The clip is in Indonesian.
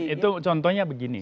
itu contohnya begini